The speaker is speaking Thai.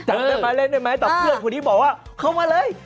จับได้มั้ยเล่นได้มั้ยแต่เพื่อนคุณที่บอกว่าเขามาเลย